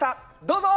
どうぞ！